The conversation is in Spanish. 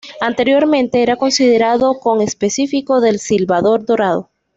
Anteriormente era considerado conespecífico del silbador dorado.